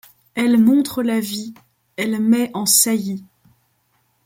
Elle montre la vie ; elle met en saillie